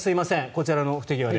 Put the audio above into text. こちらの不手際で。